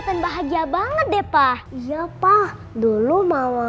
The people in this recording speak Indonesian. kamu harus selalu sama mama